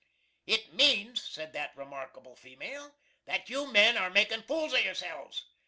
"It means," said that remarkable female "that you men air makin' fools of yourselves.